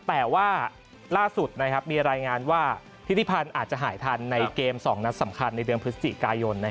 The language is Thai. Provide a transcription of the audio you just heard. แต่ว่าล่าสุดมีรายงานว่าทิศิพันธ์อาจจะหายทันในเกม๒นัดสำคัญในเดือนพฤศจิกายน